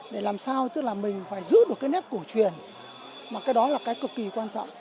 để làm sao tức là mình phải giữ được cái nét cổ truyền mà cái đó là cái cực kỳ quan trọng